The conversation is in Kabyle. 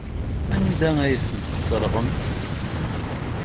Anda ay tent-tesserɣemt?